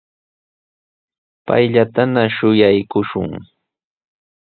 Payllatana shuyaakushun.